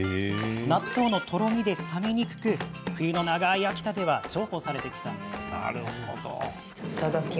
納豆のとろみで冷めにくく冬の長い秋田では重宝されてきたんです。